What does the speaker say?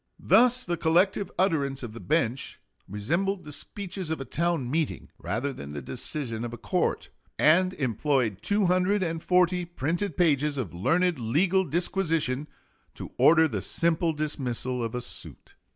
Thus the collective utterance of the bench resembled the speeches of a town meeting rather than the decision of a court, and employed 240 printed pages of learned legal disquisition to order the simple dismissal of a suit.